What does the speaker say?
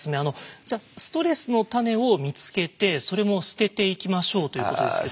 「ストレスのタネを見つけてそれも捨てていきましょう」ということですけど。